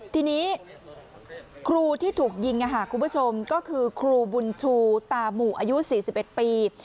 ทีนี้ครูที่ถูกยิงคุณผู้ชมก็คือครูบุญชูตามูอายุ๔๑ปี